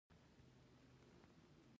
دا په مسو نقاشي ده.